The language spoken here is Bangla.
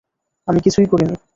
আমি কিছুই করিনি।